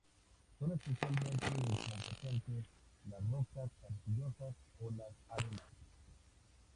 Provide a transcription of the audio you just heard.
Son especialmente incompetentes las rocas arcillosas o las arenas.